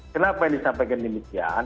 kenapa disampaikan demikian